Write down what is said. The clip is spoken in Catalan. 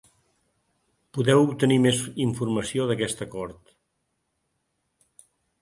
Podeu obtenir més informació d’aquest acord.